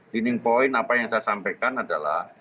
dianing point apa yang saya sampaikan adalah